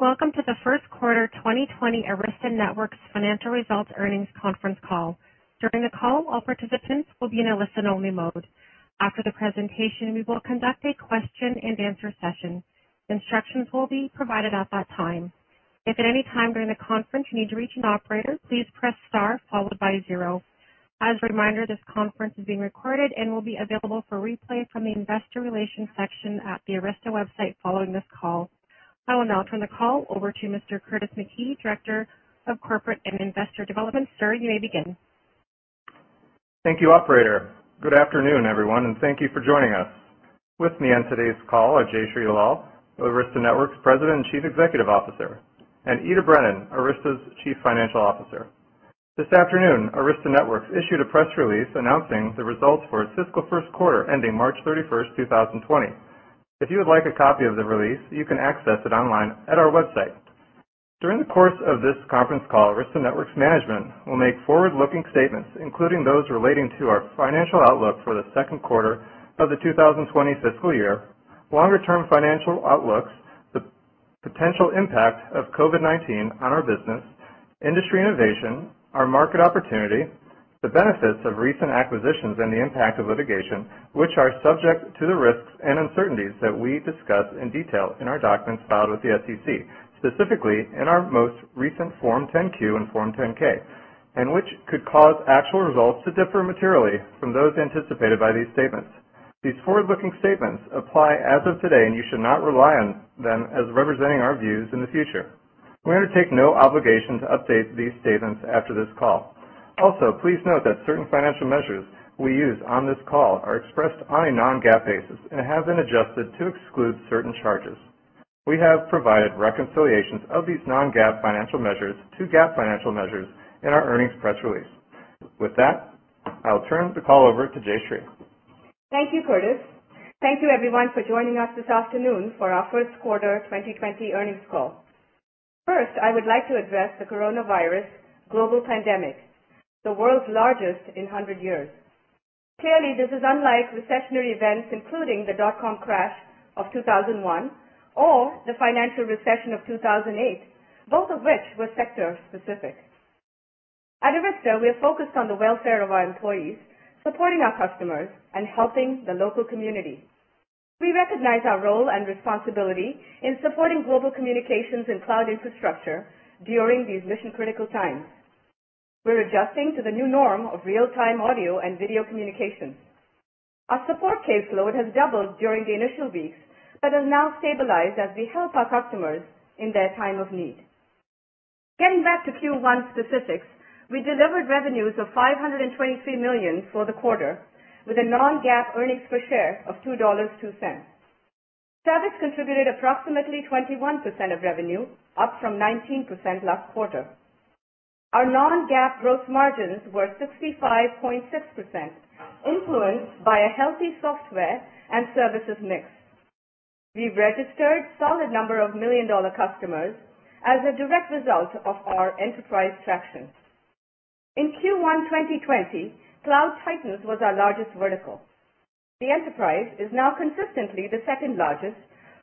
Welcome to the first quarter 2020 Arista Networks financial results earnings conference call. During the call, all participants will be in a listen-only mode. After the presentation, we will conduct a question and answer session. Instructions will be provided at that time. If at any time during the conference you need to reach an operator, please press star followed by zero. As a reminder, this conference is being recorded and will be available for replay from the investor relations section at the Arista website following this call. I will now turn the call over to Mr. Curtis McKee, Director of Corporate and Investor Development. Sir, you may begin. Thank you, operator. Good afternoon, everyone, and thank you for joining us. With me on today's call are Jayshree Ullal, Arista Networks President and Chief Executive Officer, and Ita Brennan, Arista's Chief Financial Officer. This afternoon, Arista Networks issued a press release announcing the results for its fiscal first quarter ending March 31st, 2020. If you would like a copy of the release, you can access it online at our website. During the course of this conference call, Arista Networks management will make forward-looking statements, including those relating to our financial outlook for the second quarter of the 2020 fiscal year, longer-term financial outlooks, the potential impact of COVID-19 on our business, industry innovation, our market opportunity, the benefits of recent acquisitions, and the impact of litigation, which are subject to the risks and uncertainties that we discuss in detail in our documents filed with the SEC, specifically in our most recent Form 10-Q and Form 10-K, and which could cause actual results to differ materially from those anticipated by these statements. These forward-looking statements apply as of today. You should not rely on them as representing our views in the future. We undertake no obligation to update these statements after this call. Also, please note that certain financial measures we use on this call are expressed on a non-GAAP basis and have been adjusted to exclude certain charges. We have provided reconciliations of these non-GAAP financial measures to GAAP financial measures in our earnings press release. With that, I'll turn the call over to Jayshree. Thank you, Curtis. Thank you, everyone, for joining us this afternoon for our first quarter 2020 earnings call. First, I would like to address the coronavirus global pandemic, the world's largest in 100 years. Clearly, this is unlike recessionary events, including the dotcom crash of 2001 or the financial recession of 2008, both of which were sector specific. At Arista, we are focused on the welfare of our employees, supporting our customers, and helping the local community. We recognize our role and responsibility in supporting global communications and cloud infrastructure during these mission-critical times. We're adjusting to the new norm of real-time audio and video communications. Our support caseload has doubled during the initial weeks, but has now stabilized as we help our customers in their time of need. Getting back to Q1 specifics, we delivered revenues of $523 million for the quarter with a non-GAAP earnings per share of $2.02. Services contributed approximately 21% of revenue, up from 19% last quarter. Our non-GAAP gross margins were 65.6%, influenced by a healthy software and services mix. We registered solid number of million-dollar customers as a direct result of our enterprise traction. In Q1 2020, Cloud Titans was our largest vertical. The enterprise is now consistently the second largest,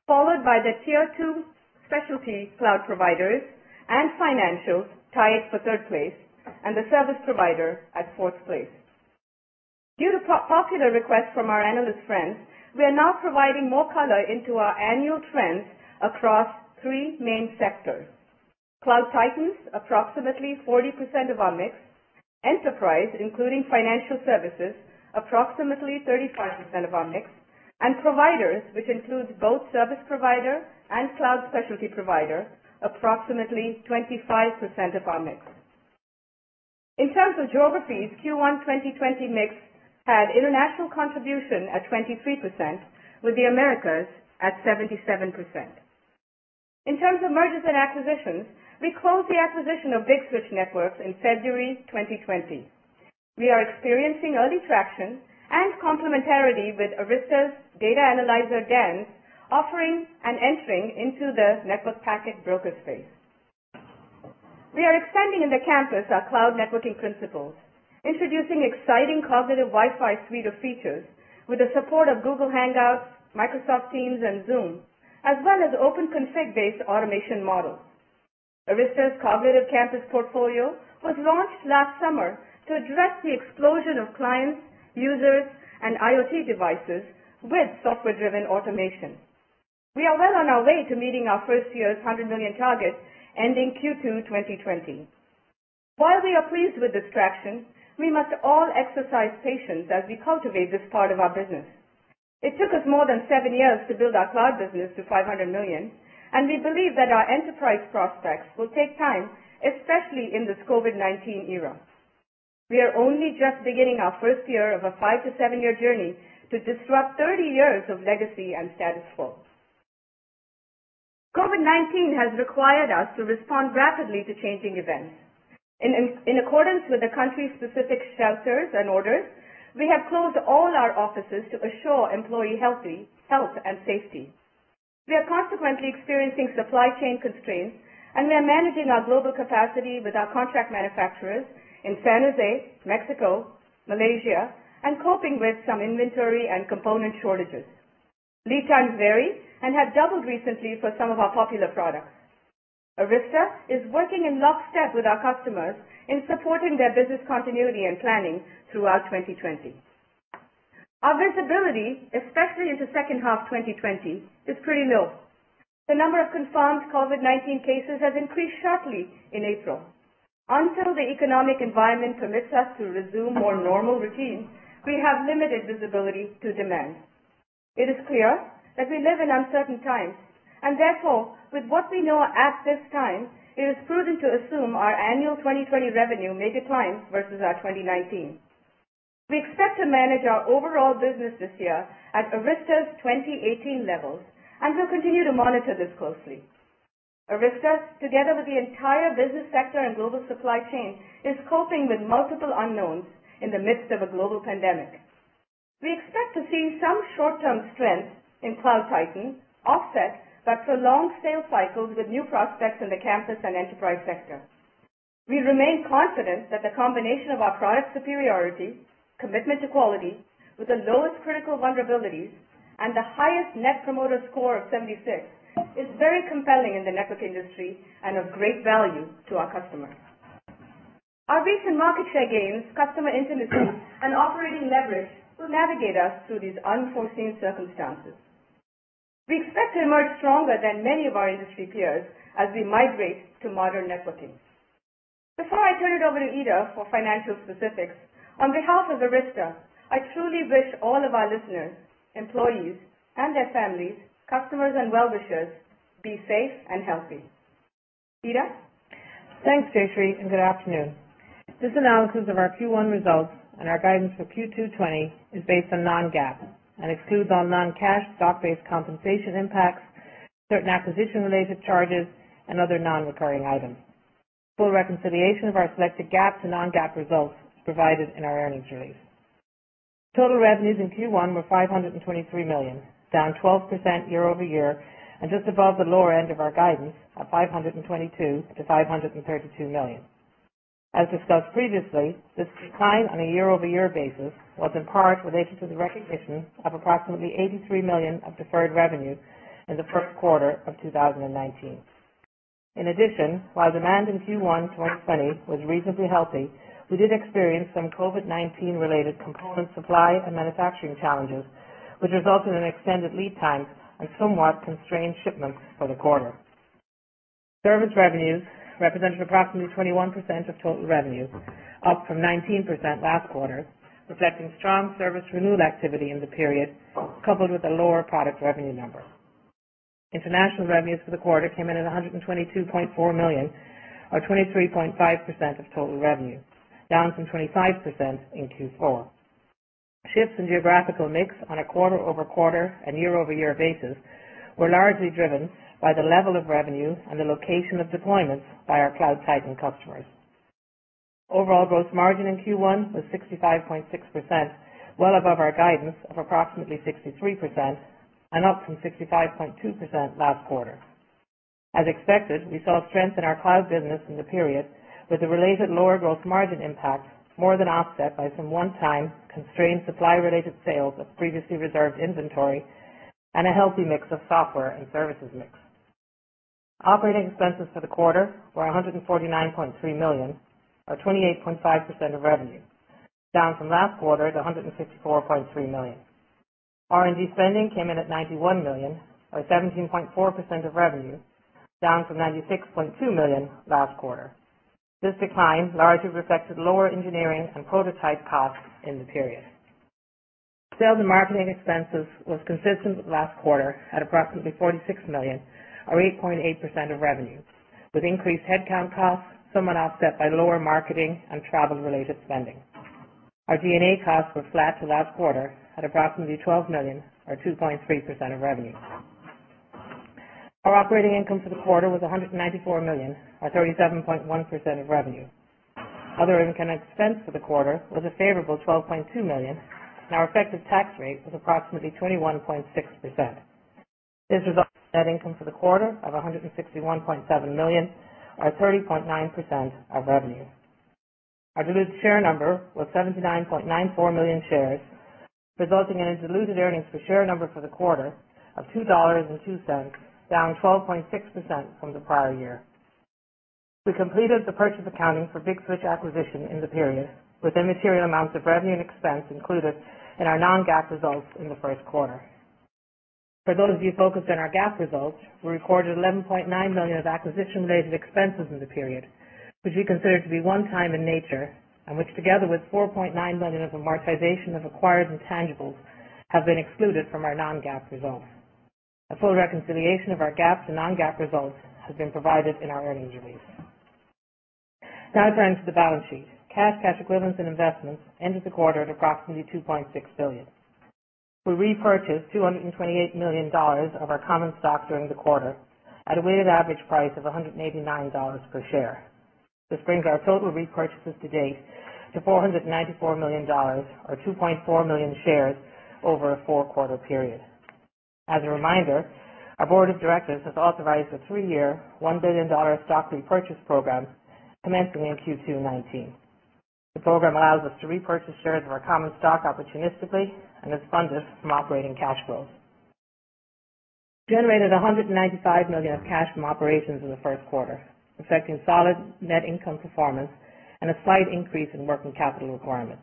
followed by the Tier 2 specialty cloud providers and financials tied for third place, and the service provider at fourth place. Due to popular requests from our analyst friends, we are now providing more color into our annual trends across three main sectors. Cloud Titans, approximately 40% of our mix. Enterprise, including financial services, approximately 35% of our mix, and providers, which includes both service provider and cloud specialty provider, approximately 25% of our mix. In terms of geographies, Q1 2020 mix had international contribution at 23%, with the Americas at 77%. In terms of mergers and acquisitions, we closed the acquisition of Big Switch Networks in February 2020. We are experiencing early traction and complementarity with Arista's Data ANalyZer, DANZ, offering and entering into the network packet broker space. We are extending in the campus our cloud networking principles, introducing exciting cognitive Wi-Fi suite of features with the support of Google Hangouts, Microsoft Teams, and Zoom, as well as OpenConfig-based automation model. Arista's cognitive campus portfolio was launched last summer to address the explosion of clients, users, and IoT devices with software-driven automation. We are well on our way to meeting our first year's $100 million targets ending Q2 2020. While we are pleased with this traction, we must all exercise patience as we cultivate this part of our business. It took us more than seven years to build our cloud business to $500 million, and we believe that our enterprise prospects will take time, especially in this COVID-19 era. We are only just beginning our first year of a five to seven-year journey to disrupt 30 years of legacy and status quo. COVID-19 has required us to respond rapidly to changing events. In accordance with the country's specific shelters and orders, we have closed all our offices to assure employee health and safety. We are consequently experiencing supply chain constraints, and we are managing our global capacity with our contract manufacturers in San Jose, Mexico, Malaysia, and coping with some inventory and component shortages. Lead times vary and have doubled recently for some of our popular products. Arista is working in lockstep with our customers in supporting their business continuity and planning throughout 2020. Our visibility, especially into second half 2020, is pretty low. The number of confirmed COVID-19 cases has increased sharply in April. Until the economic environment permits us to resume more normal routines, we have limited visibility to demand. It is clear that we live in uncertain times, and therefore, with what we know at this time, it is prudent to assume our annual 2020 revenue may decline versus our 2019. We expect to manage our overall business this year at Arista's 2018 levels and will continue to monitor this closely. Arista, together with the entire business sector and global supply chain, is coping with multiple unknowns in the midst of a global pandemic. We expect to see some short-term strength in Cloud Titan offset by prolonged sales cycles with new prospects in the campus and enterprise sector. We remain confident that the combination of our product superiority, commitment to quality, with the lowest critical vulnerabilities, and the highest Net Promoter Score of 76, is very compelling in the network industry and of great value to our customers. Our recent market share gains, customer intimacy, and operating leverage will navigate us through these unforeseen circumstances. We expect to emerge stronger than many of our industry peers as we migrate to modern networking. Before I turn it over to Ita for financial specifics, on behalf of Arista, I truly wish all of our listeners, employees and their families, customers, and well-wishers, be safe and healthy. Ita? Thanks, Jayshree, and good afternoon. This analysis of our Q1 results and our guidance for Q2 2020 is based on non-GAAP and excludes all non-cash stock-based compensation impacts, certain acquisition-related charges, and other non-recurring items. Full reconciliation of our selected GAAP to non-GAAP results is provided in our earnings release. Total revenues in Q1 were $523 million, down 12% year-over-year, and just above the lower end of our guidance of $522 million-$532 million. As discussed previously, this decline on a year-over-year basis was in part related to the recognition of approximately $83 million of deferred revenue in the first quarter of 2019. In addition, while demand in Q1 2020 was reasonably healthy, we did experience some COVID-19 related component supply and manufacturing challenges, which resulted in extended lead times and somewhat constrained shipments for the quarter. Service revenues represented approximately 21% of total revenue, up from 19% last quarter, reflecting strong service renewal activity in the period, coupled with a lower product revenue number. International revenues for the quarter came in at $122.4 million, or 23.5% of total revenue, down from 25% in Q4. Shifts in geographical mix on a quarter-over-quarter and year-over-year basis were largely driven by the level of revenue and the location of deployments by our Cloud Titans customers. Overall gross margin in Q1 was 65.6%, well above our guidance of approximately 63%, and up from 65.2% last quarter. As expected, we saw strength in our cloud business in the period, with the related lower gross margin impact more than offset by some one-time constrained supply related sales of previously reserved inventory and a healthy mix of software and services mix. Operating expenses for the quarter were $149.3 million or 28.5% of revenue, down from last quarter to $164.3 million. R&D spending came in at $91 million or 17.4% of revenue, down from $96.2 million last quarter. This decline largely reflected lower engineering and prototype costs in the period. Sales and marketing expenses was consistent with last quarter at approximately $46 million or 8.8% of revenue, with increased headcount costs somewhat offset by lower marketing and travel related spending. Our G&A costs were flat to last quarter at approximately $12 million or 2.3% of revenue. Our operating income for the quarter was $194 million or 37.1% of revenue. Other income expense for the quarter was a favorable $12.2 million, and our effective tax rate was approximately 21.6%. This results in net income for the quarter of $161.7 million or 30.9% of revenue. Our diluted share number was 79.94 million shares, resulting in a diluted earnings per share number for the quarter of $2.02, down 12.6% from the prior year. We completed the purchase accounting for Big Switch acquisition in the period with immaterial amounts of revenue and expense included in our non-GAAP results in the first quarter. For those of you focused on our GAAP results, we recorded $11.9 million of acquisition related expenses in the period, which we consider to be one-time in nature and which together with $4.9 million of amortization of acquired intangibles, have been excluded from our non-GAAP results. A full reconciliation of our GAAP to non-GAAP results has been provided in our earnings release. Now turning to the balance sheet. Cash, cash equivalents, and investments ended the quarter at approximately $2.6 billion. We repurchased $228 million of our common stock during the quarter at a weighted average price of $189 per share. This brings our total repurchases to date to $494 million or 2.4 million shares over a four-quarter period. As a reminder, our board of directors has authorized a three-year, $1 billion stock repurchase program commencing in Q2 2019. The program allows us to repurchase shares of our common stock opportunistically and is funded from operating cash flows. We generated $195 million of cash from operations in the first quarter, reflecting solid net income performance and a slight increase in working capital requirements.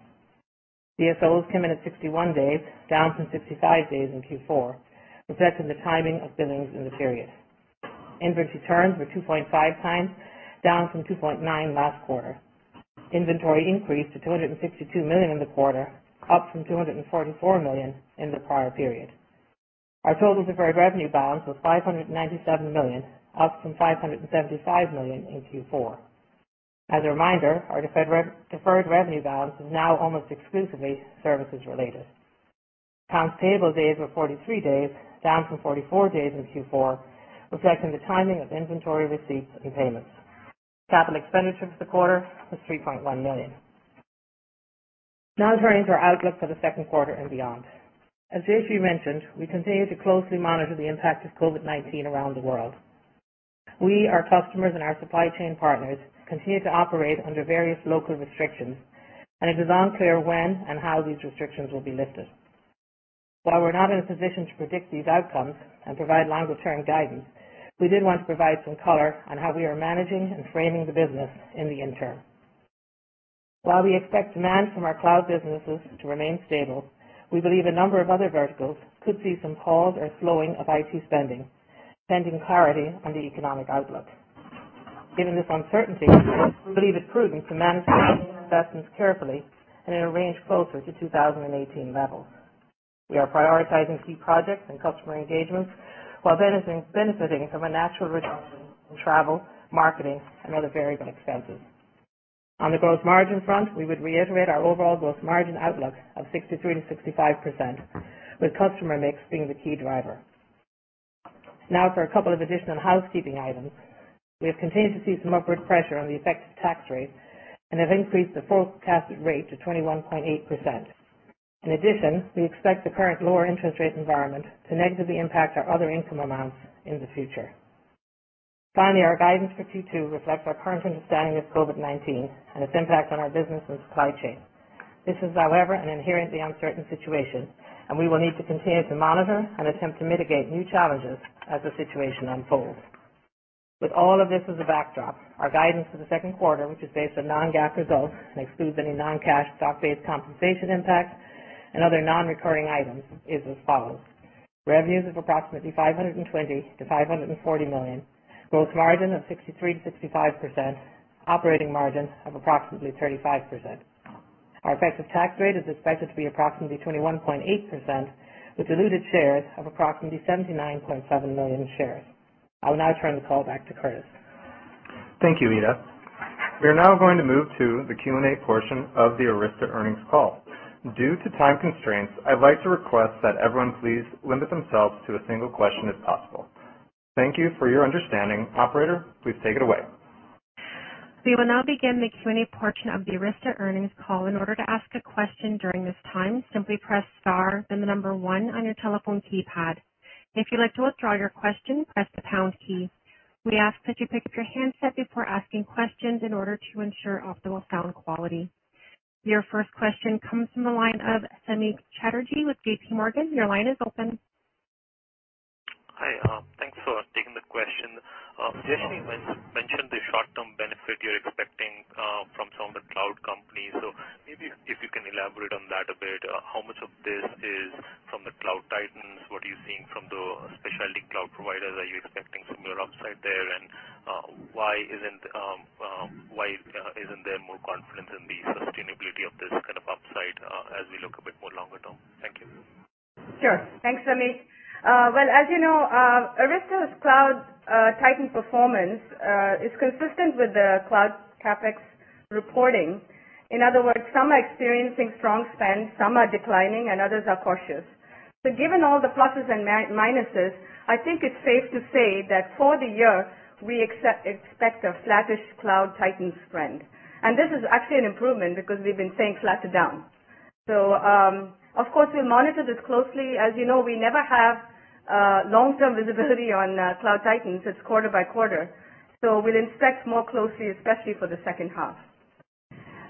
DSOs came in at 61 days, down from 65 days in Q4, reflecting the timing of billings in the period. Inventory turns were 2.5x, down from 2.9 last quarter. Inventory increased to $262 million in the quarter, up from $244 million in the prior period. Our total deferred revenue balance was $597 million, up from $575 million in Q4. As a reminder, our deferred revenue balance is now almost exclusively services-related. Accounts payable days were 43 days, down from 44 days in Q4, reflecting the timing of inventory receipts and payments. Capital expenditures for the quarter was $3.1 million. Turning to our outlook for the second quarter and beyond. As Jayshree mentioned, we continue to closely monitor the impact of COVID-19 around the world. We, our customers, and our supply chain partners continue to operate under various local restrictions, and it is unclear when and how these restrictions will be lifted. While we're not in a position to predict these outcomes and provide longer-term guidance, we did want to provide some color on how we are managing and framing the business in the interim. While we expect demand from our cloud businesses to remain stable, we believe a number of other verticals could see some pause or slowing of IT spending, pending clarity on the economic outlook. Given this uncertainty, we believe it prudent to manage capital investments carefully and in a range closer to 2018 levels. We are prioritizing key projects and customer engagements while benefiting from a natural reduction in travel, marketing, and other variable expenses. On the gross margin front, we would reiterate our overall gross margin outlook of 63%-65%, with customer mix being the key driver. Now for a couple of additional housekeeping items. We have continued to see some upward pressure on the effective tax rate and have increased the full forecast rate to 21.8%. In addition, we expect the current lower interest rate environment to negatively impact our other income amounts in the future. Our guidance for Q2 reflects our current understanding of COVID-19 and its impact on our business and supply chain. This is, however, an inherently uncertain situation, and we will need to continue to monitor and attempt to mitigate new challenges as the situation unfolds. With all of this as a backdrop, our guidance for the second quarter, which is based on non-GAAP results and excludes any non-cash stock-based compensation impacts and other non-recurring items, is as follows. Revenues of approximately $520 million-$540 million, gross margin of 63%-65%, operating margin of approximately 35%. Our effective tax rate is expected to be approximately 21.8%, with diluted shares of approximately 79.7 million shares. I will now turn the call back to Curtis. Thank you, Ita. We are now going to move to the Q&A portion of the Arista earnings call. Due to time constraints, I'd like to request that everyone please limit themselves to a single question if possible. Thank you for your understanding. Operator, please take it away. We will now begin the Q&A portion of the Arista earnings call. In order to ask a question during this time, simply press star then the number one on your telephone keypad. If you'd like to withdraw your question, press the pound key. We ask that you pick up your handset before asking questions in order to ensure optimal sound quality. Your first question comes from the line of Samik Chatterjee with JPMorgan. Your line is open. Hi, thanks for taking the question. Jayshree mentioned the short-term benefit you're expecting from some of the cloud companies. Maybe if you can elaborate on that a bit. How much of this is from the Cloud Titans? What are you seeing from the specialty cloud providers? Are you expecting similar upside there? Why isn't there more confidence in the sustainability of this kind of upside as we look a bit more longer-term? Thank you. Sure. Thanks, Samik. Well, as you know, Arista's Cloud Titans performance is consistent with the cloud CapEx reporting. In other words, some are experiencing strong spend, some are declining, and others are cautious. Given all the pluses and minuses, I think it's safe to say that for the year, we expect a flattish Cloud Titans trend. This is actually an improvement because we've been saying flatter down. Of course, we monitor this closely. As you know, we never have long-term visibility on Cloud Titans. It's quarter-by- quarter. We'll inspect more closely, especially for the second half.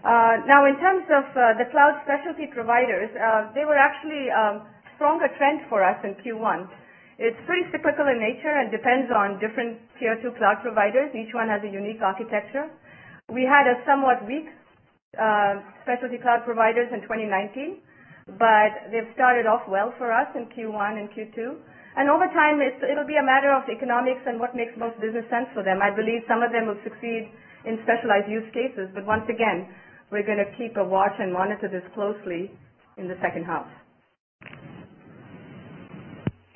Now, in terms of the cloud specialty providers, they were actually a stronger trend for us in Q1. It's pretty cyclical in nature and depends on different Tier 2 cloud providers. Each one has a unique architecture. We had a somewhat weak specialty cloud providers in 2019, but they've started off well for us in Q1 and Q2. Over time, it'll be a matter of economics and what makes most business sense for them. I believe some of them will succeed in specialized use cases, but once again, we're going to keep a watch and monitor this closely in the second half.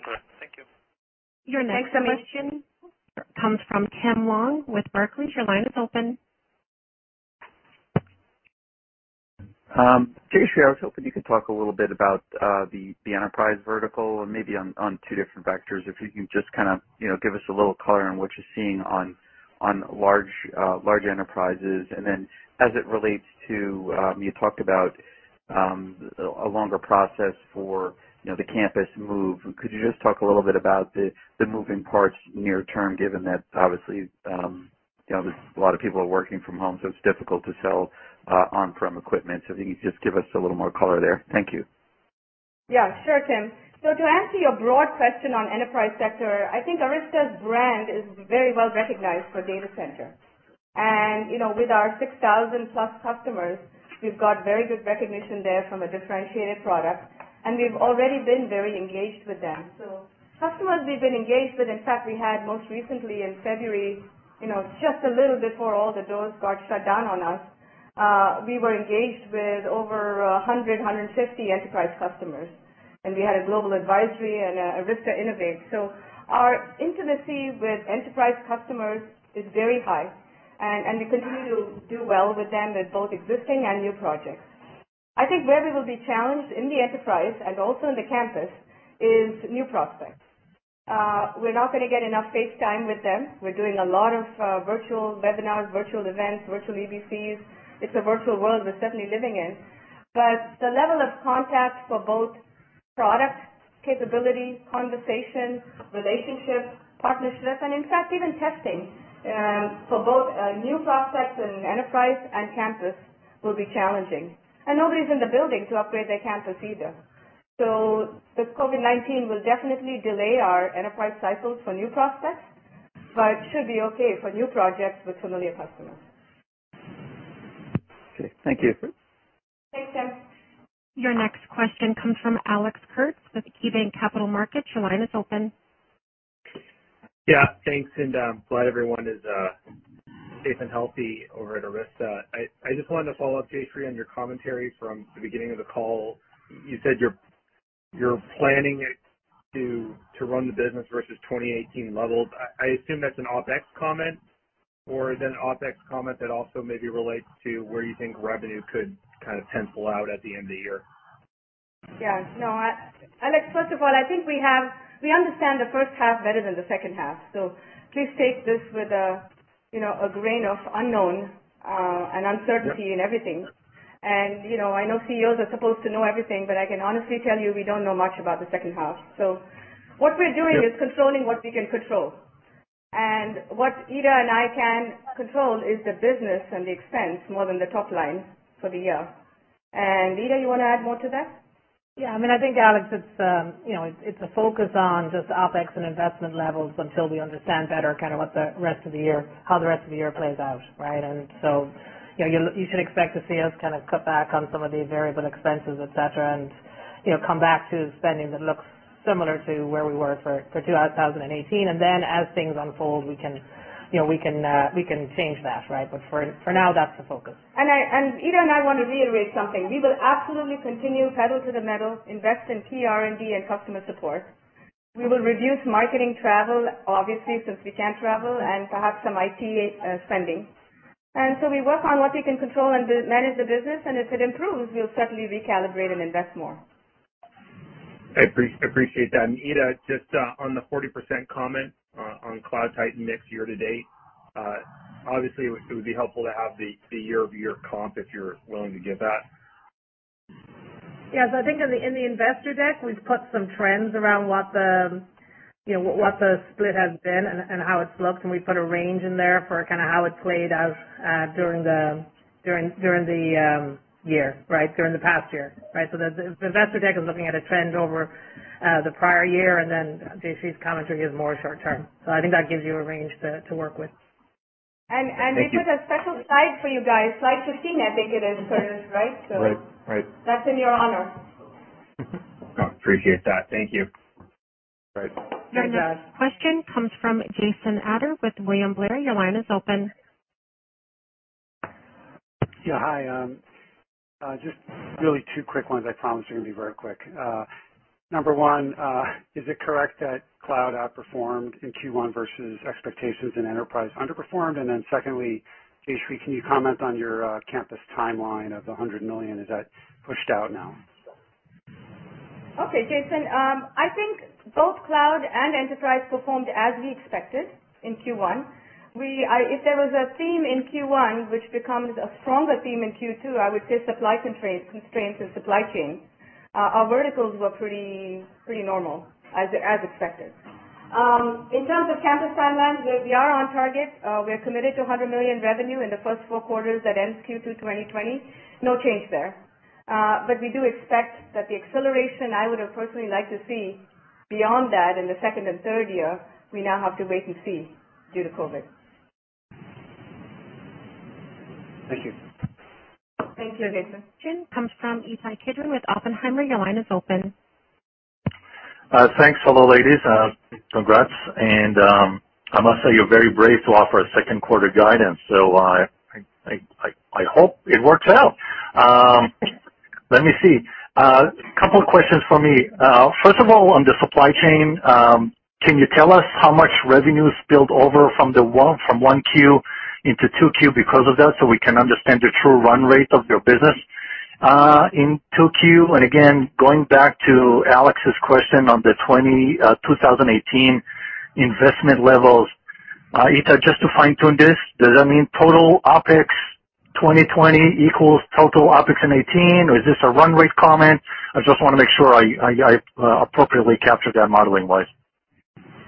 Great. Thank you. Thanks, Samik. Your next question comes from Tim Long with Barclays. Your line is open. Jayshree, I was hoping you could talk a little bit about the enterprise vertical and maybe on two different vectors, if you can just kind of give us a little color on what you're seeing on large enterprises, and then as it relates to, you talked about a longer process for the campus move. Could you just talk a little bit about the moving parts near term, given that obviously. A lot of people are working from home, it's difficult to sell on-prem equipment. If you could just give us a little more color there. Thank you. Yeah. Sure, Tim. To answer your broad question on enterprise sector, I think Arista's brand is very well-recognized for data center. With our 6,000+ customers, we've got very good recognition there from a differentiated product, and we've already been very engaged with them. Customers we've been engaged with, in fact, we had most recently in February, just a little before all the doors got shut down on us, we were engaged with over 100, 150 enterprise customers, and we had a global advisory and Arista Innovate. Our intimacy with enterprise customers is very high, and we continue to do well with them with both existing and new projects. I think where we will be challenged in the enterprise and also in the campus is new prospects. We're not going to get enough face time with them. We're doing a lot of virtual webinars, virtual events, virtual ABCs. It's a virtual world we're certainly living in. The level of contact for both product capability, conversation, relationship, partnership, and in fact, even testing, for both new prospects and enterprise and campus will be challenging. Nobody's in the building to upgrade their campus either. This COVID-19 will definitely delay our enterprise cycles for new prospects, but should be okay for new projects with familiar customers. Okay. Thank you. Thanks, Tim. Your next question comes from Alex Kurtz with KeyBanc Capital Markets. Your line is open. Yeah. Thanks. I'm glad everyone is safe and healthy over at Arista. I just wanted to follow up, Jayshree, on your commentary from the beginning of the call. You said you're planning to run the business versus 2018 levels. I assume that's an OpEx comment, or is it an OpEx comment that also maybe relates to where you think revenue could kind of pencil out at the end of the year? Yeah. No, Alex, first of all, I think we understand the first half better than the second half, please take this with a grain of unknown and uncertainty in everything. I know CEOs are supposed to know everything, but I can honestly tell you we don't know much about the second half. What we're doing is controlling what we can control. What Ita and I can control is the business and the expense more than the top line for the year. Ita, you want to add more to that? Yeah. I think, Alex, it's a focus on just OpEx and investment levels until we understand better how the rest of the year plays out, right? You should expect to see us cut back on some of the variable expenses, et cetera, and come back to spending that looks similar to where we were for 2018. As things unfold, we can change that. For now, that's the focus. Ita and I want to reiterate something. We will absolutely continue pedal to the metal, invest in key R&D and customer support. We will reduce marketing travel, obviously, since we can't travel, and perhaps some IT spending. We work on what we can control and manage the business, and if it improves, we'll certainly recalibrate and invest more. I appreciate that. Ita, just on the 40% comment on Cloud Titan mix year-to-date, obviously, it would be helpful to have the year-over-year comp if you're willing to give that. Yeah. I think in the investor deck, we've put some trends around what the split has been and how it's looked, and we put a range in there for how it played out during the year. During the past year. The investor deck is looking at a trend over the prior year, and then Jayshree's commentary is more short-term. I think that gives you a range to work with. Thank you. We did a special slide for you guys, slide 15, I think it is, Kurt, right? Right. That's in your honor. Appreciate that. Thank you. Good job. Your next question comes from Jason Ader with William Blair. Your line is open. Yeah. Hi. Just really two quick ones. I promise they're going to be very quick. Number one, is it correct that cloud outperformed in Q1 versus expectations and enterprise underperformed? Secondly, Jayshree, can you comment on your campus timeline of the $100 million? Is that pushed out now? Okay, Jason. I think both cloud and enterprise performed as we expected in Q1. If there was a theme in Q1, which becomes a stronger theme in Q2, I would say supply constraints and supply chain. Our verticals were pretty normal as expected. In terms of campus timelines, we are on target. We're committed to $100 million revenue in the first four quarters that ends Q2 2020. No change there. We do expect that the acceleration I would have personally liked to see beyond that in the second and third year, we now have to wait and see due to COVID. Thank you. Thank you, Jason. Next question comes from Ittai Kidron with Oppenheimer. Your line is open. Thanks. Hello, ladies. Congrats. I must say, you're very brave to offer a second quarter guidance. I hope it works out. Let me see. A couple of questions from me. First of all, on the supply chain, can you tell us how much revenue spilled over from 1Q into 2Q because of that? We can understand the true run rate of your business. In 2Q, again, going back to Alex's question on the 2018 investment levels, Ita, just to fine-tune this, does that mean total OpEx 2020 equals total OpEx in 2018, or is this a run rate comment? I just want to make sure I appropriately captured that modeling-wise.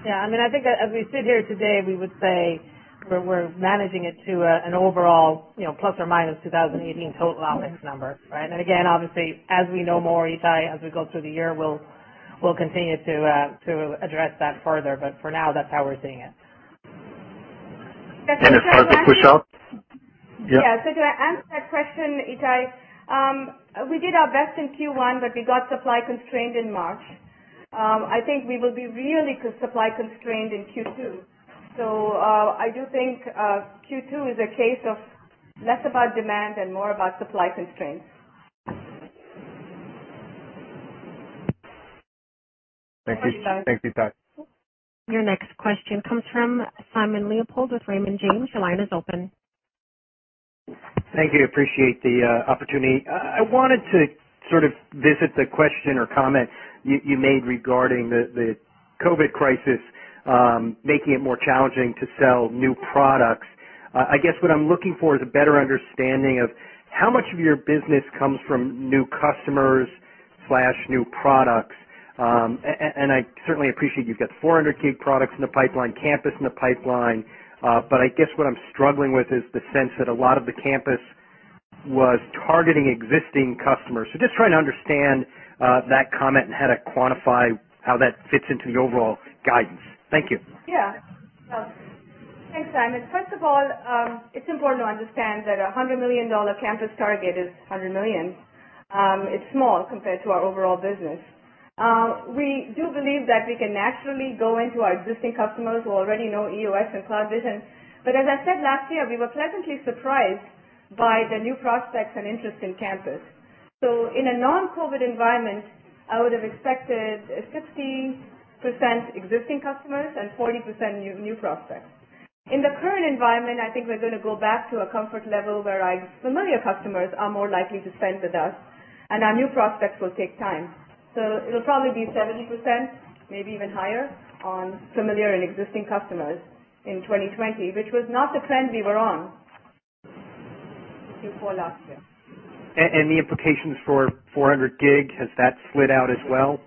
Yeah. I think as we sit here today, we would say we're managing it to an overall ± 2018 total OpEx number, right? Again, obviously, as we know more, Ittai, as we go through the year, we'll continue to address that further. For now, that's how we're seeing it. As far as the pushout? Yeah. To answer that question, Ittai, we did our best in Q1, we got supply constrained in March. I think we will be really supply constrained in Q2. I do think Q2 is a case of less about demand and more about supply constraints. Thank you. Thanks, Ita. Your next question comes from Simon Leopold with Raymond James. Your line is open. Thank you. Appreciate the opportunity. I wanted to sort of visit the question or comment you made regarding the COVID crisis making it more challenging to sell new products. I guess what I'm looking for is a better understanding of how much of your business comes from new customers/new products. I certainly appreciate you've got 400G products in the pipeline, Campus in the pipeline. I guess what I'm struggling with is the sense that a lot of the Campus was targeting existing customers. Just trying to understand that comment and how to quantify how that fits into the overall guidance. Thank you. Yeah. Thanks, Simon. First of all, it's important to understand that a $100 million Campus target is $100 million. It's small compared to our overall business. We do believe that we can naturally go into our existing customers who already know EOS and CloudVision. As I said last year, we were pleasantly surprised by the new prospects and interest in Campus. In a non-COVID-19 environment, I would've expected 15% existing customers and 40% new prospects. In the current environment, I think we're going to go back to a comfort level where our familiar customers are more likely to spend with us, and our new prospects will take time. It'll probably be 70%, maybe even higher, on familiar and existing customers in 2020, which was not the trend we were on Q4 last year. Any implications for 400G? Has that slid out as well?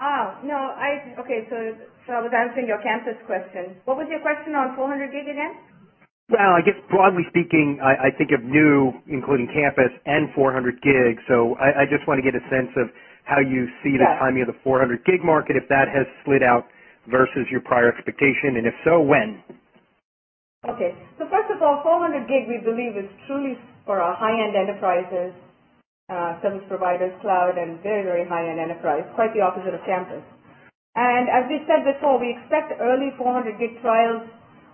Oh, no. Okay, I was answering your Campus question. What was your question on 400G again? Well, I guess broadly speaking, I think of new, including Campus and 400G. I just want to get a sense of how you see the timing of the 400G market, if that has slid out versus your prior expectation, and if so, when. Okay. First of all, 400G, we believe is truly for our high-end enterprises, service providers, cloud, and very high-end enterprise, quite the opposite of Campus. As we said before, we expect early 400G trials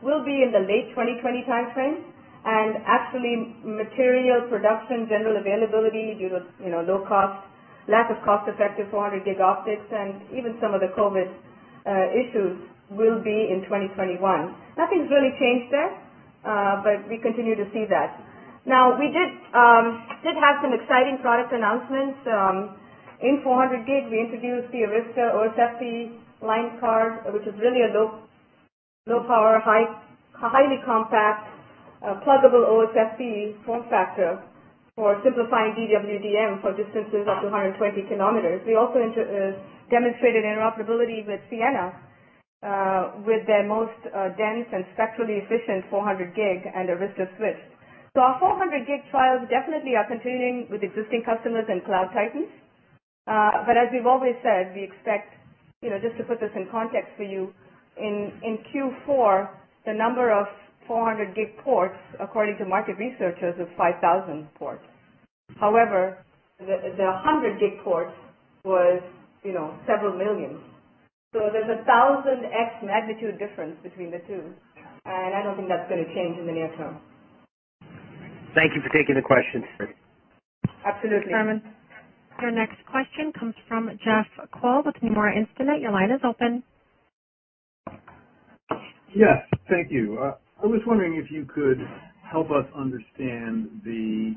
will be in the late 2020 timeframe. Actually material production, general availability due to low cost, lack of cost-effective 400G OpEx, and even some of the COVID issues will be in 2021. Nothing's really changed there, but we continue to see that. We did have some exciting product announcements. In 400G, we introduced the Arista OSFP line card, which is really a low power, highly compact, pluggable OSFP form factor for simplifying DWDM for distances up to 120 km. We also demonstrated interoperability with Ciena, with their most dense and spectrally efficient 400G and Arista switch. Our 400G trials definitely are continuing with existing customers and Cloud Titans. As we've always said, we expect, just to put this in context for you, in Q4, the number of 400G ports, according to market researchers, was 5,000 ports. However, the 100G port was several million. There's 1,000x magnitude difference between the two, and I don't think that's going to change in the near term. Thank you for taking the question. Absolutely. Thanks, Simon. Your next question comes from Jeff Kvaal with Nomura Instinet. Your line is open. Yes. Thank you. I was wondering if you could help us understand the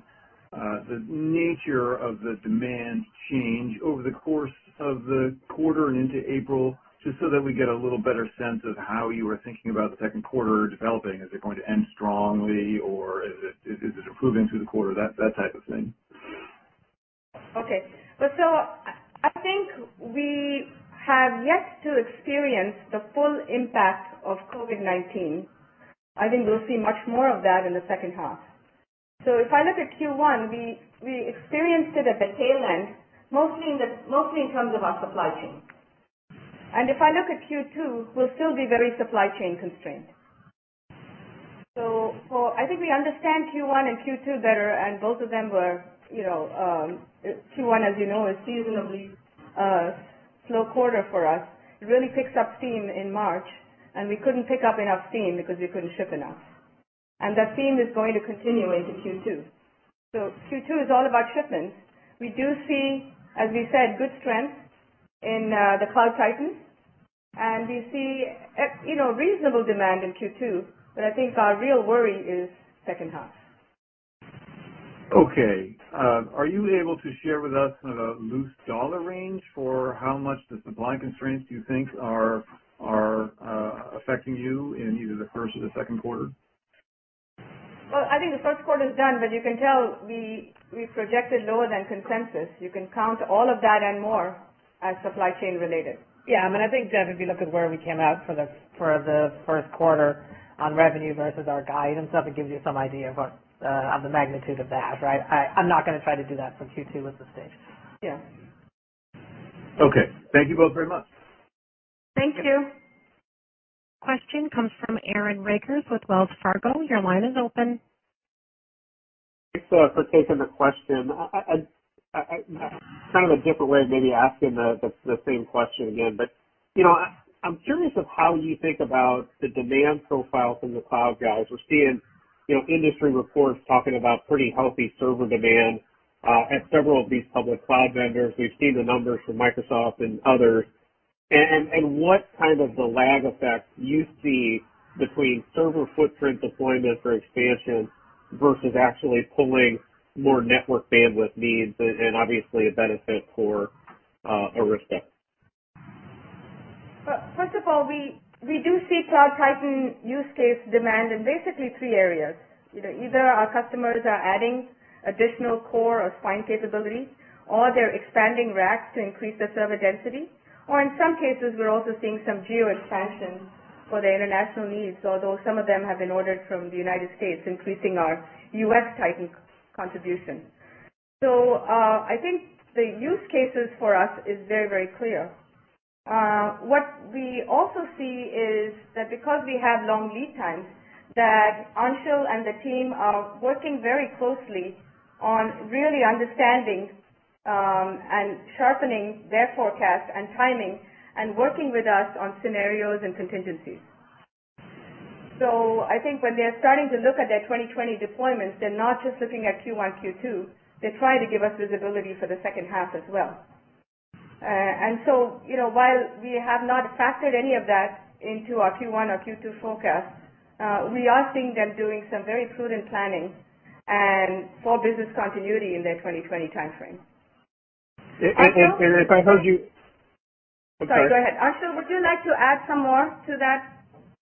nature of the demand change over the course of the quarter and into April, just so that we get a little better sense of how you are thinking about the second quarter developing? Is it going to end strongly, or is it improving through the quarter? That type of thing. Okay. I think we have yet to experience the full impact of COVID-19. I think we'll see much more of that in the second half. If I look at Q1, we experienced it at the tail end, mostly in terms of our supply chain. If I look at Q2, we'll still be very supply chain constrained. I think we understand Q1 and Q2 better, and both of them were, Q1, as you know, a seasonably slow quarter for us. It really picks up steam in March, and we couldn't pick up enough steam because we couldn't ship enough. That theme is going to continue into Q2. Q2 is all about shipments. We do see, as we said, good strength in the Cloud Titans, and we see reasonable demand in Q2, but I think our real worry is second half. Okay. Are you able to share with us kind of a loose dollar range for how much the supply constraints do you think are affecting you in either the first or the second quarter? Well, I think the first quarter is done, but you can tell we projected lower than consensus. You can count all of that and more as supply chain related. Yeah. I think, Jeff, if you look at where we came out for the first quarter on revenue versus our guidance, that gives you some idea of the magnitude of that, right? I'm not going to try to do that for Q2 at this stage. Yeah. Okay. Thank you both very much. Thank you. Question comes from Aaron Rakers with Wells Fargo. Your line is open. Thanks for taking the question. Kind of a different way of maybe asking the same question again, I'm curious of how you think about the demand profile from the cloud guys. We're seeing industry reports talking about pretty healthy server demand at several of these public cloud vendors. We've seen the numbers from Microsoft and others. What kind of the lag effect you see between server footprint deployment for expansion versus actually pulling more network bandwidth needs and obviously a benefit for Arista. Well, first of all, we do see Cloud Titans use case demand in basically three areas. Either our customers are adding additional core or spine capabilities, or they're expanding racks to increase their server density, or in some cases, we're also seeing some geo expansion for the international needs. Although some of them have been ordered from the U.S., increasing our U.S. Titan contribution. I think the use cases for us is very clear. What we also see is that because we have long lead times, that Anshul and the team are working very closely on really understanding, and sharpening their forecast and timing and working with us on scenarios and contingencies. I think when they're starting to look at their 2020 deployments, they're not just looking at Q1, Q2, they're trying to give us visibility for the second half as well. While we have not factored any of that into our Q1 or Q2 forecast, we are seeing them doing some very prudent planning and for business continuity in their 2020 timeframe. If I heard you- Sorry, go ahead. Anshul, would you like to add some more to that?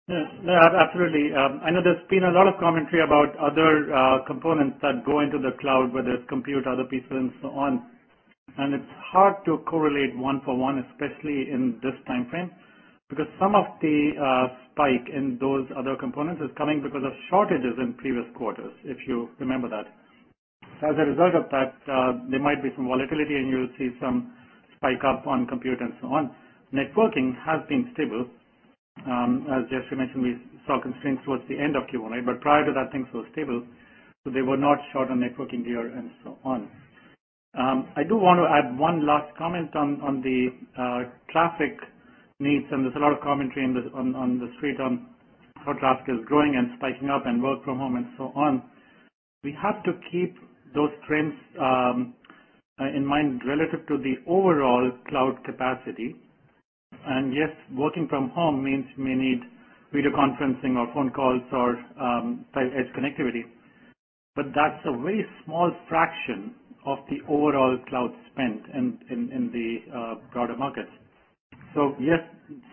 Absolutely. I know there's been a lot of commentary about other components that go into the cloud, whether it's compute, other pieces and so on, and it's hard to correlate one for one, especially in this timeframe, because some of the spike in those other components is coming because of shortages in previous quarters, if you remember that. As a result of that, there might be some volatility, and you'll see some spike up on compute and so on. Networking has been stable. As Jayshree mentioned, we saw constraints towards the end of Q1, but prior to that, things were stable, so they were not short on networking gear and so on. I do want to add one last comment on the traffic needs, and there's a lot of commentary on the street on how traffic is growing and spiking up and work from home and so on. We have to keep those trends in mind relative to the overall cloud capacity. Yes, working from home means you may need video conferencing or phone calls or type edge connectivity, but that's a very small fraction of the overall cloud spend in the broader markets. Yes,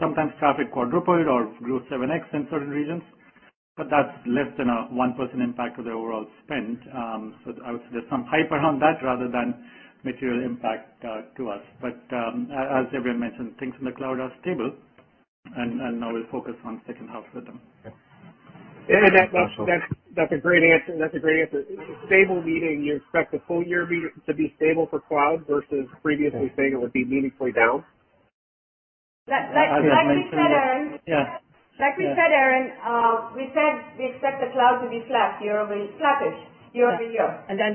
sometimes traffic quadrupled or grew 7x in certain regions, but that's less than a one person impact of the overall spend. There's some hype around that rather than material impact to us. As everyone mentioned, things in the cloud are stable, and now we're focused on second half with them. Yeah. That's a great answer. Stable meaning you expect the full year to be stable for cloud versus previously saying it would be meaningfully down? Like we said, Aaron. Yeah. Like we said, Aaron, we said we expect the cloud to be flat year-over-year.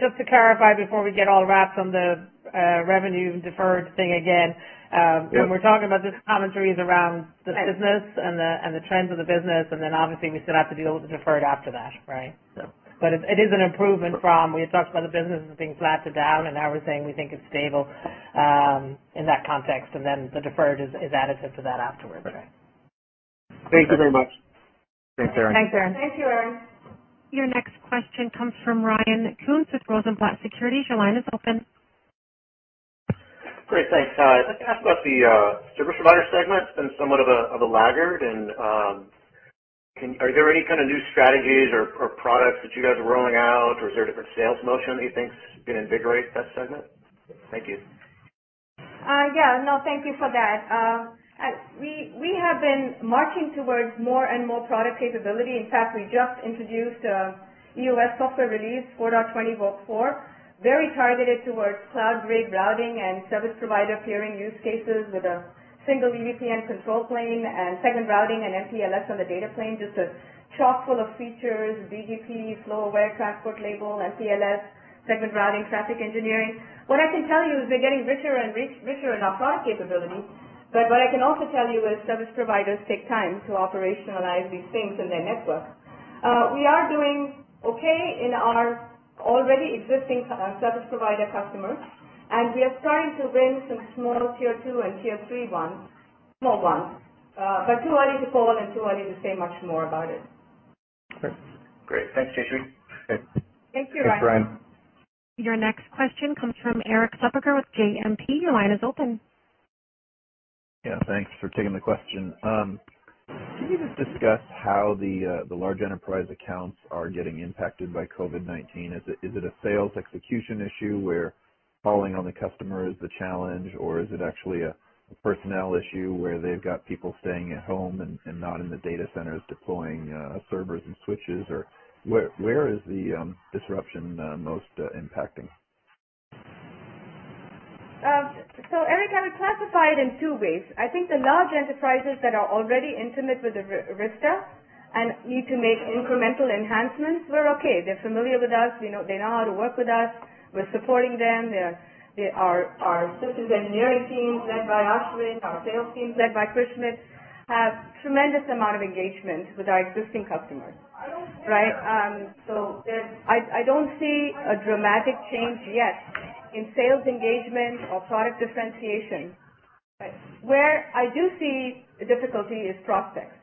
Just to clarify before we get all wrapped on the revenue deferred thing again, when we're talking about the commentaries around the business and the trends of the business, and then obviously we still have to deal with the deferred after that, right? Yeah. It is an improvement from we had talked about the business as being flat to down, and now we're saying we think it's stable, in that context, and then the deferred is additive to that afterwards, right? Thank you very much. Thanks, Aaron. Thanks, Aaron. Thank you, Aaron. Your next question comes from Ryan Koontz with Rosenblatt Securities. Your line is open. Great. Thanks. I'd like to ask about the service provider segment. It's been somewhat of a laggard. Are there any kind of new strategies or products that you guys are rolling out or is there a different sales motion that you think could invigorate that segment? Thank you. Yeah. No, thank you for that. We have been marching towards more and more product capability. In fact, we just introduced EOS software release 4.20, build 4, very targeted towards cloud-grade routing and service provider peering use cases with a single EVPN control plane and segment routing and MPLS on the data plane. Just a chock full of features, BGP, flow aware transport label, MPLS, segment routing, traffic engineering. What I can tell you is we're getting richer and richer in our product capability. What I can also tell you is service providers take time to operationalize these things in their network. We are doing okay in our already existing service provider customers. We are starting to win some small Tier 2 and Tier 3 ones. Small ones. Too early to call and too early to say much more about it. Okay, great. Thanks, Jayshree. Thanks, Ryan. Your next question comes from Erik Suppiger with JMP. Your line is open. Yeah, thanks for taking the question. Can you just discuss how the large enterprise accounts are getting impacted by COVID-19? Is it a sales execution issue where following on the customer is the challenge, or is it actually a personnel issue where they've got people staying at home and not in the data centers deploying servers and switches? Where is the disruption most impacting? Erik, I would classify it in two ways. I think the large enterprises that are already intimate with Arista and need to make incremental enhancements, we're okay. They're familiar with us. They know how to work with us. We're supporting them. Our systems engineering team, led by Ashwin, our sales team, led by Chris Schmidt, have tremendous amount of engagement with our existing customers. Right. I don't see a dramatic change yet in sales engagement or product differentiation. Where I do see a difficulty is prospects.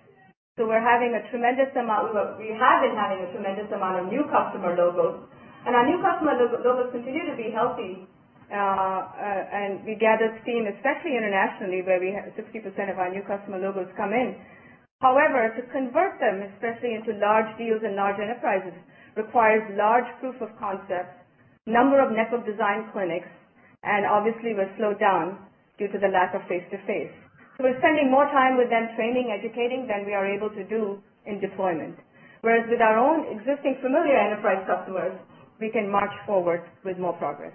We have been having a tremendous amount of new customer logos, and our new customer logos continue to be healthy. We gather steam, especially internationally, where we have 60% of our new customer logos come in. To convert them, especially into large deals and large enterprises, requires large proof of concept, number of network design clinics, and obviously we're slowed down due to the lack of face-to-face. We're spending more time with them training, educating than we are able to do in deployment. Whereas with our own existing familiar enterprise customers, we can march forward with more progress.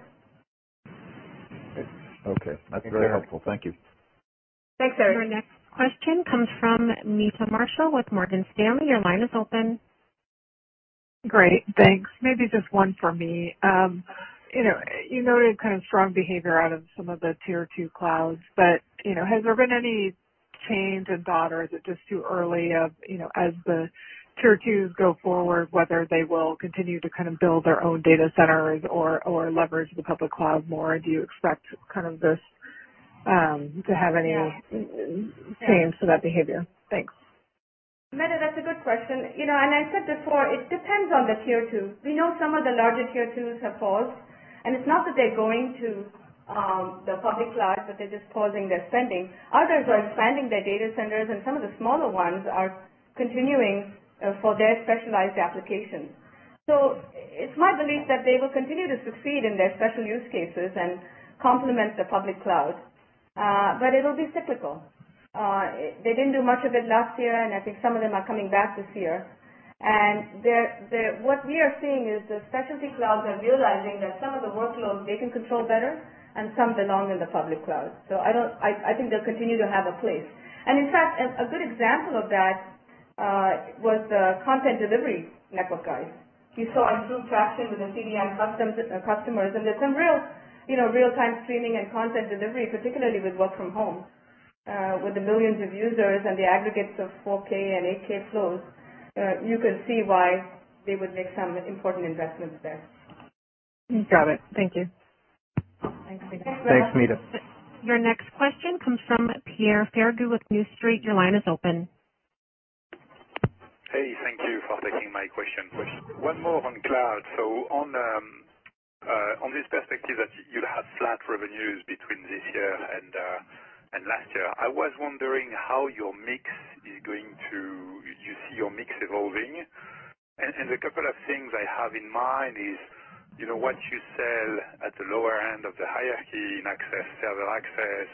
Okay. That's very helpful. Thank you. Thanks, Erik. Your next question comes from Meta Marshall with Morgan Stanley. Your line is open. Great, thanks. Maybe just one for me. Has there been any change in dot or is it just too early as the Tier 2s go forward, whether they will continue to kind of build their own data centers or leverage the public cloud more? Do you expect this to have any change to that behavior? Thanks. Meta, that's a good question. I said before, it depends on the Tier 2. We know some of the larger Tier 2s have paused, and it's not that they're going to the public cloud, but they're just pausing their spending. Others are expanding their data centers, and some of the smaller ones are continuing for their specialized applications. It's my belief that they will continue to succeed in their special use cases and complement the public cloud. It'll be cyclical. They didn't do much of it last year, and I think some of them are coming back this year. What we are seeing is the specialty clouds are realizing that some of the workloads they can control better and some belong in the public cloud. I think they'll continue to have a place. In fact, a good example of that was the content delivery network guys. You saw improved traction with the CDN customers, and there's some real-time streaming and content delivery, particularly with work from home. With the millions of users and the aggregates of 4K and 8K flows, you could see why they would make some important investments there. Got it. Thank you. Thanks, Meta. Your next question comes from Pierre Ferragu with New Street. Your line is open. Hey, thank you for taking my question. One more on cloud. On this perspective that you have flat revenues between this year and last year, I was wondering how you see your mix evolving. The couple of things I have in mind is what you sell at the lower end of the hierarchy in access, server access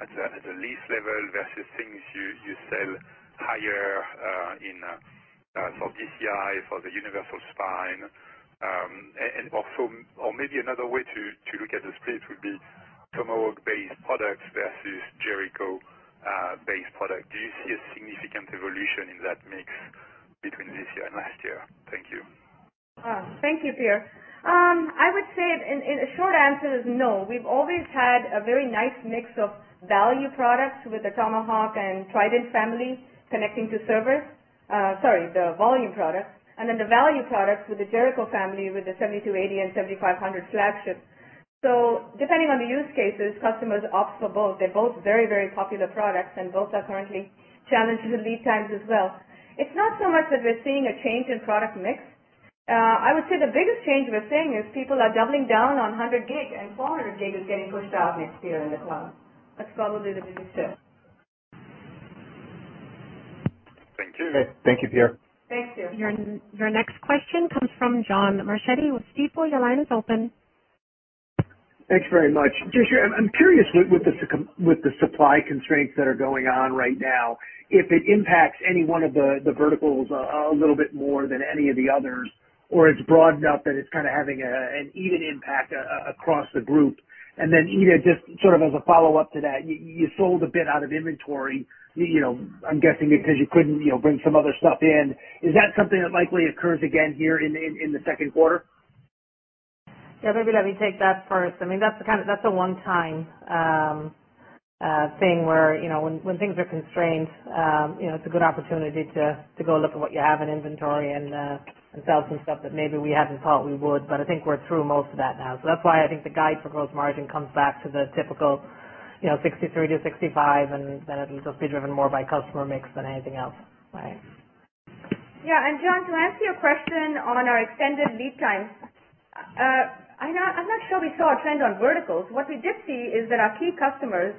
at the leaf-spine level versus things you sell higher for DCI, for the universal spine. Maybe another way to look at the split would be Tomahawk-based products versus Jericho-based product. Do you see a significant evolution in that mix between this year and last year? Thank you. Thank you, Pierre. I would say the short answer is no. We've always had a very nice mix of value products with the Tomahawk and Trident family connecting to servers. Sorry, the volume products. Then the value products with the Jericho family, with the 7280 and 7500 flagships. Depending on the use cases, customers opt for both. They're both very popular products, and both are currently challenged with lead times as well. It's not so much that we're seeing a change in product mix. I would say the biggest change we're seeing is people are doubling down on 100G and 400G is getting pushed out next year in the cloud. That's probably the biggest change. Thank you. Thank you, Pierre. Thanks, Pierre. Your next question comes from John Marchetti with Stifel. Your line is open. Thanks very much. Jayshree, I'm curious with the supply constraints that are going on right now, if it impacts any one of the verticals a little bit more than any of the others, or it's broad enough that it's kind of having an even impact across the group. Ita, just sort of as a follow-up to that, you sold a bit out of inventory, I'm guessing because you couldn't bring some other stuff in. Is that something that likely occurs again here in the second quarter? Yeah, maybe let me take that first. That's a one-time thing where when things are constrained, it's a good opportunity to go look at what you have in inventory and sell some stuff that maybe we hadn't thought we would, but I think we're through most of that now. That's why I think the guide for gross margin comes back to the typical 63%-65%, and then it'll just be driven more by customer mix than anything else. Right. Yeah. John, to answer your question on our extended lead times, I'm not sure we saw a trend on verticals. What we did see is that our key customers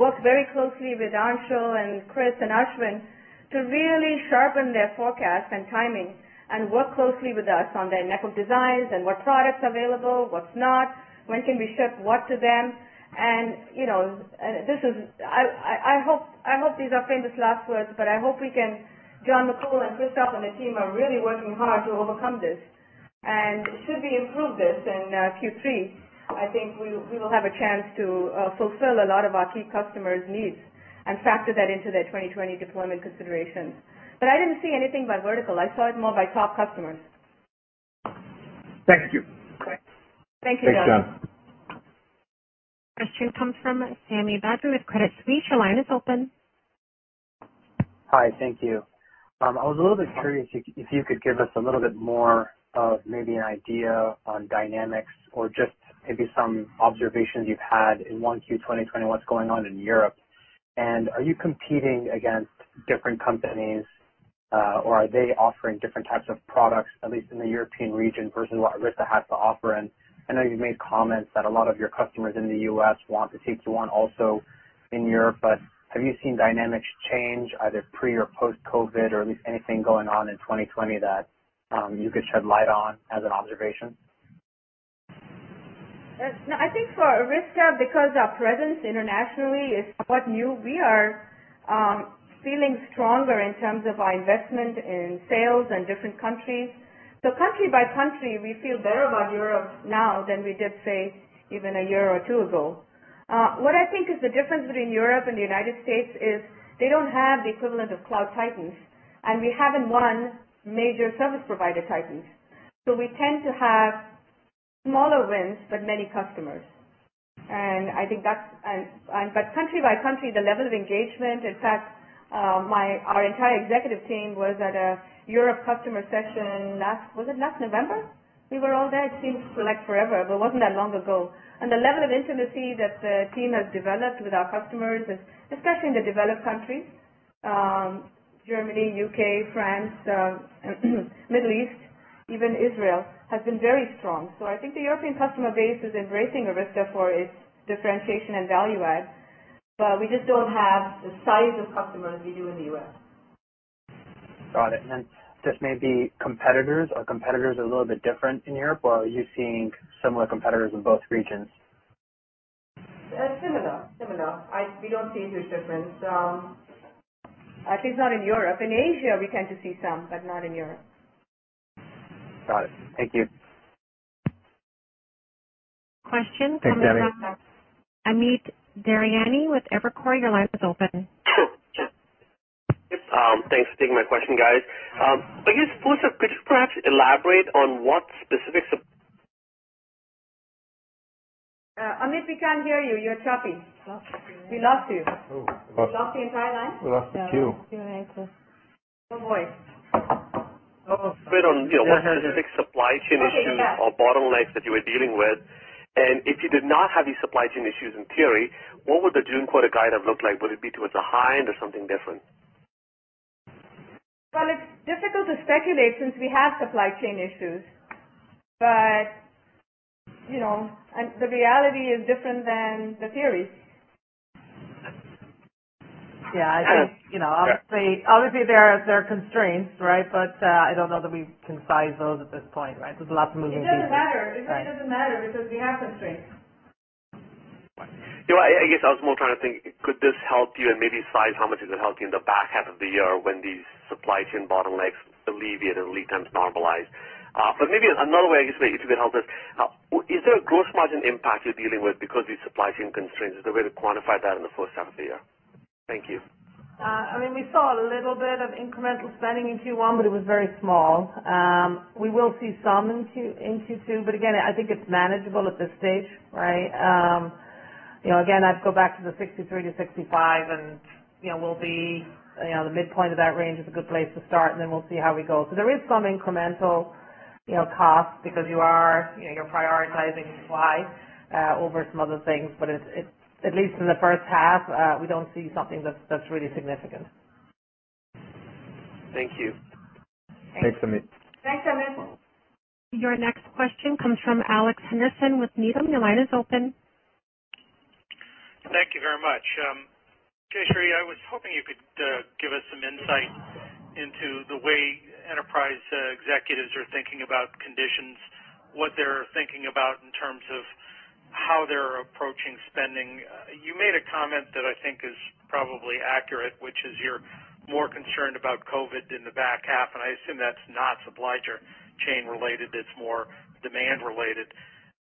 worked very closely with Anshul and Chris and Ashwin to really sharpen their forecast and timing and work closely with us on their network designs and what products are available, what's not, when can we ship what to them. I hope these are famous last words, John McCool and Christophe and the team are really working hard to overcome this. Should we improve this in Q3, I think we will have a chance to fulfill a lot of our key customers' needs and factor that into their 2020 deployment considerations. I didn't see anything by vertical. I saw it more by top customers. Thank you. Thank you, John. Thanks, John. Question comes from Sami Badri with Credit Suisse. Your line is open. Hi. Thank you. I was a little bit curious if you could give us a little bit more of maybe an idea on dynamics or just maybe some observations you've had in 1Q 2020, what's going on in Europe. Are you competing against different companies, or are they offering different types of products, at least in the European region, versus what Arista has to offer? I know you've made comments that a lot of your customers in the U.S. want to take you on also in Europe, but have you seen dynamics change either pre or post-COVID, or at least anything going on in 2020 that you could shed light on as an observation? No, I think for Arista, because our presence internationally is somewhat new, we are feeling stronger in terms of our investment in sales in different countries. Country by country, we feel better about Europe now than we did, say, even a year or two ago. What I think is the difference between Europe and the United States is, they don't have the equivalent of Cloud Titans, and we haven't won major service provider titans. We tend to have smaller wins, but many customers. Country by country, the level of engagement, in fact, our entire executive team was at a Europe customer session last, was it last November? We were all there. It seems like forever, it wasn't that long ago. The level of intimacy that the team has developed with our customers, especially in the developed countries, Germany, U.K., France, Middle East, even Israel, has been very strong. I think the European customer base is embracing Arista for its differentiation and value add, but we just don't have the size of customers we do in the U.S. Got it. Just maybe competitors, are competitors a little bit different in Europe, or are you seeing similar competitors in both regions? Similar. We don't see a huge difference. At least not in Europe. In Asia, we tend to see some, but not in Europe. Got it. Thank you. Question coming from. Thanks, Sami Amit Daryanani with Evercore. Your line is open. Thanks for taking my question, guys. Could you perhaps elaborate on what specific. Amit, we can't hear you. You're choppy. We lost you. We lost the entire line? We lost you. No voice. Bit on what specific supply chain issues. Okay, you're back. Or bottlenecks that you were dealing with. If you did not have these supply chain issues in theory, what would the June quarter guide have looked like? Would it be towards the high end or something different? It's difficult to speculate since we have supply chain issues, but the reality is different than the theories. Yeah. I think, obviously there are constraints, right? I don't know that we can size those at this point, right? There's lots of moving pieces. It doesn't matter. It really doesn't matter because we have constraints. Right. I guess I was more trying to think, could this help you, and maybe size how much is it helping in the back half of the year when these supply chain bottlenecks alleviate and lead times normalize? Maybe another way, I guess, maybe you could help us, is there a gross margin impact you're dealing with because these supply chain constraints? Is there a way to quantify that in the first half of the year? Thank you. We saw a little bit of incremental spending in Q1, but it was very small. We will see some in Q2, but again, I think it's manageable at this stage, right? Again, I'd go back to the 63%-65%. The midpoint of that range is a good place to start. Then we'll see how we go. There is some incremental cost because you're prioritizing supply over some other things. At least in the first half, we don't see something that's really significant. Thank you. Thanks, Amit. Thanks, Amit. Your next question comes from Alex Henderson with Needham. Your line is open. Thank you very much. Jayshree, I was hoping you could give us some insight into the way enterprise executives are thinking about conditions, what they're thinking about in terms of how they're approaching spending. You made a comment that I think is probably accurate, which is you're more concerned about COVID in the back half, and I assume that's not supply chain related, it's more demand related.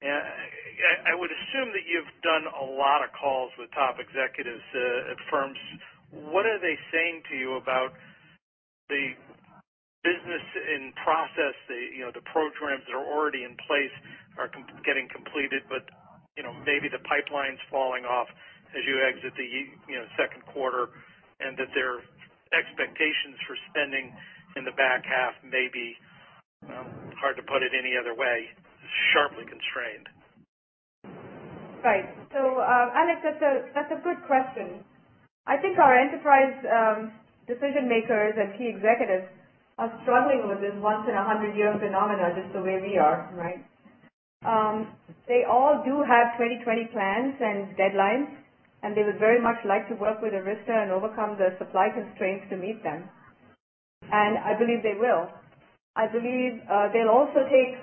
I would assume that you've done a lot of calls with top executives at firms. What are they saying to you about the business in process? The programs that are already in place are getting completed, but maybe the pipeline's falling off as you exit the second quarter, and that their expectations for spending in the back half may be, hard to put it any other way, sharply constrained. Right. Alex, that's a good question. I think our enterprise decision-makers and key executives are struggling with this once in a 100 year phenomena just the way we are, right? They all do have 2020 plans and deadlines, and they would very much like to work with Arista and overcome the supply constraints to meet them, and I believe they will. I believe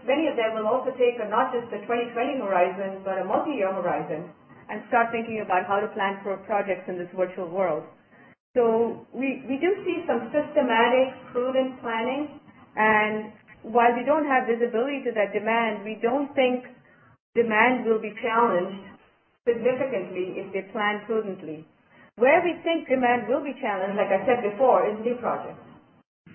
many of them will also take not just the 2020 horizon, but a multi-year horizon and start thinking about how to plan for projects in this virtual world. We do see some systematic, prudent planning, and while we don't have visibility to that demand, we don't think demand will be challenged significantly if they plan prudently. Where we think demand will be challenged, like I said before, is new projects.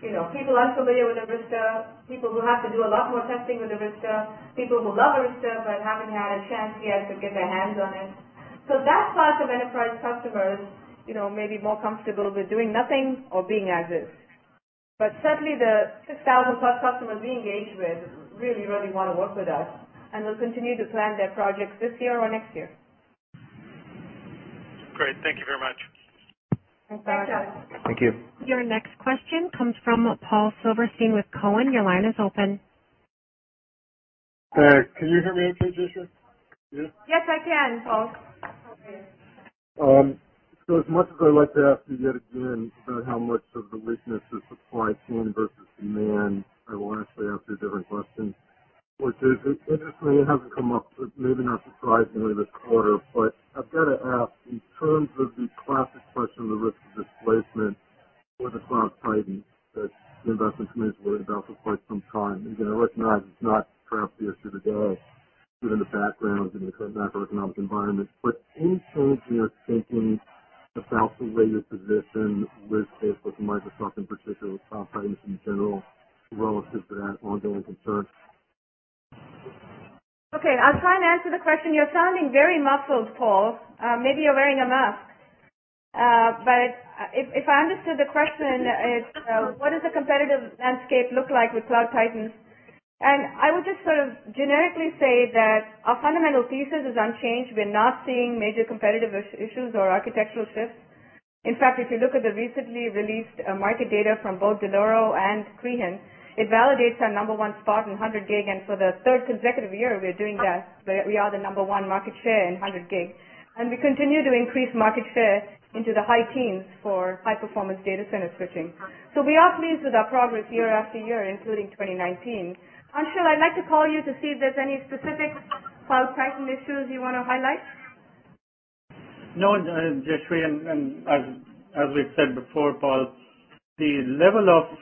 People unfamiliar with Arista, people who have to do a lot more testing with Arista, people who love Arista but haven't had a chance yet to get their hands on it. That class of enterprise customers may be more comfortable with doing nothing or being as is. Certainly the 6,000+ customers we engage with really want to work with us and will continue to plan their projects this year or next year. Great. Thank you very much. Thanks, Alex. Thank you. Your next question comes from Paul Silverstein with Cowen. Your line is open. Can you hear me okay, Jayshree? Yes. Yes, I can, Paul. Okay. As much as I'd like to ask you yet again about how much of the weakness is supply chain versus demand, I will actually ask you a different question, which is, interestingly, it hasn't come up, maybe not surprisingly, this quarter. I've got to ask, in terms of the classic question of the risk of displacement for the Cloud Titans that the investment community's worried about for quite some time, again, I recognize it's not perhaps the issue today given the background, given the current macroeconomic environment, but any change in your thinking about the latest position with Facebook and Microsoft in particular, with Cloud Titans in general, relative to that ongoing concern? Okay. I'll try and answer the question. You're sounding very muffled, Paul. Maybe you're wearing a mask. If I understood the question, it's what does the competitive landscape look like with Cloud Titans? I would just generically say that our fundamental thesis is unchanged. We're not seeing major competitive issues or architectural shifts. In fact, if you look at the recently released market data from both Dell'Oro and Crehan, it validates our number one spot in 100G. For the third consecutive year, we're doing that, where we are the number one market share in 100G. We continue to increase market share into the high teens for high-performance data center switching. We are pleased with our progress year after year, including 2019. Anshul, I'd like to call you to see if there's any specific Cloud Titan issues you want to highlight. No, Jayshree, as we've said before, Paul, the level of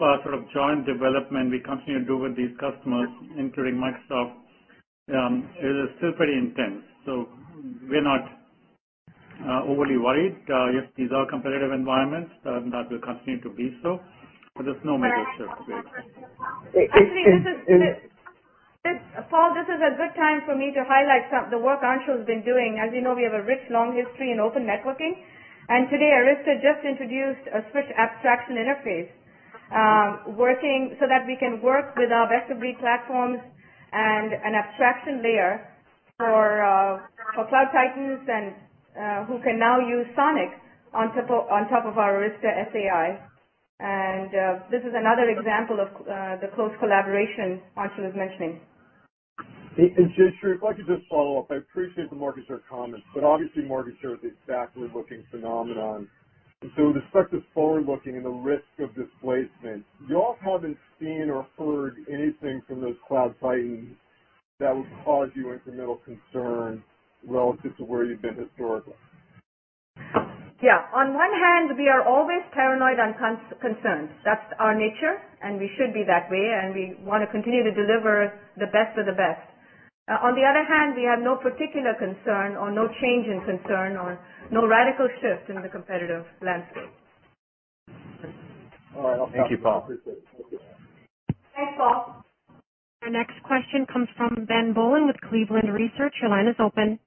joint development we continue to do with these customers, including Microsoft, it is still pretty intense, so we're not overly worried. Yes, these are competitive environments, and that will continue to be so, but there's no major shift. Actually, Paul, this is a good time for me to highlight the work Anshul's been doing. As you know, we have a rich, long history in open networking. Today, Arista just introduced a switch abstraction interface, working so that we can work with our vectoring platforms and an abstraction layer for Cloud Titans who can now use SONiC on top of our Arista SAI. This is another example of the close collaboration Anshul was mentioning. Jayshree, if I could just follow up, I appreciate the market share comments, but obviously market share is a backward-looking phenomenon. With respect to forward-looking and the risk of displacement, you all haven't seen or heard anything from those Cloud Titans that would cause you incremental concern relative to where you've been historically. On one hand, we are always paranoid and concerned. That's our nature, and we should be that way, and we want to continue to deliver the best of the best. On the other hand, we have no particular concern or no change in concern or no radical shift in the competitive landscape. All right. Well, thank you. Thank you, Paul. Appreciate it. Thank you. Thanks, Paul. Our next question comes from Ben Bollin with Cleveland Research Company. Your line is open.